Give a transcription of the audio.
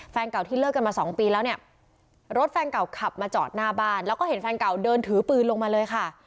แฟนเก่าที่เลิกกันมาสองปีแล้วเนี่ยรถแฟนเก่าขับมาจอดหน้าบ้านแล้วก็เห็นแฟนเก่าเดินถือปืนลงมาเลยค่ะ